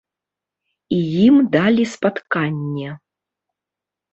І ім далі спатканне.